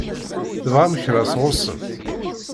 Tebɣam kra sɣur-sent?